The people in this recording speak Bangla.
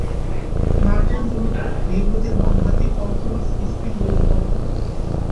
মার্টিন মূলতঃ ধীরগতির বামহাতি অর্থোডক্স স্পিন বোলিং করেন।